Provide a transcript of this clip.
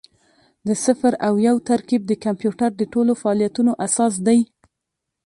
د صفر او یو ترکیب د کمپیوټر د ټولو فعالیتونو اساس دی.